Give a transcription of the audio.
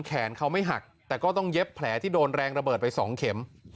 แขนเขาไม่หักแต่ก็ต้องเย็บแผลที่โดนแรงระเบิดไป๒เข็ม